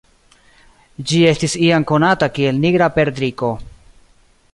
Ĝi estis iam konata kiel "Nigra perdriko".